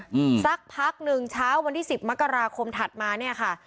อืมสักพักหนึ่งเช้าวันที่สิบมกราคมถัดมาเนี้ยค่ะ